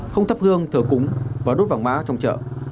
không thắp gương thờ cúng và đốt vàng má trong chợ